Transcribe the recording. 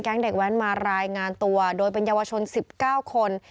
แก๊งเด็กแว๊นมารายงานตัวโดยเป็นเยาวชนสิบเก้าคน